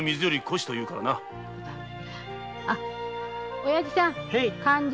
おやじさん勘定。